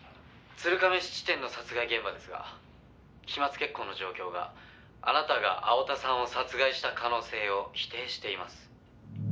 「鶴亀質店の殺害現場ですが飛沫血痕の状況があなたが青田さんを殺害した可能性を否定しています」